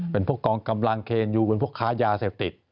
เป็นพวกกองกำลังเคนยูเป็นพวกค้ายาเสพติด